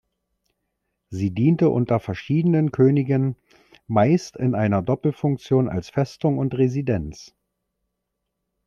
Sie diente unter verschiedenen Königen meist in einer Doppelfunktion als Festung und Residenz.